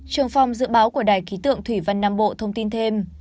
trưởng phòng dự báo của đài khí tượng thủy văn nam bộ thông tin thêm